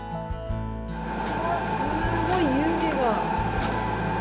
すごい湯気が。